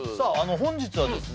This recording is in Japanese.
本日はですね